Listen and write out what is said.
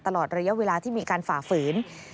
ตลอดระยะเวลาที่มีการฝ่าฝืน